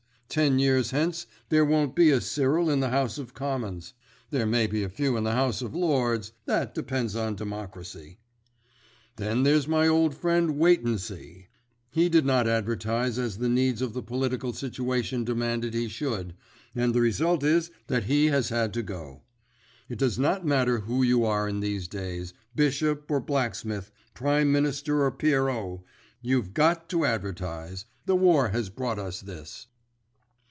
Ten years hence there won't be a Cyril in the House of Commons. There may be a few in the House of Lords—that depends on democracy. "Then there's my old friend Waightensea. He did not advertise as the needs of the political situation demanded he should, and the result is that he has had to go. It does not matter who you are in these days—bishop or blacksmith, Prime Minister or pierrot—you've got to advertise—the war has brought us this!"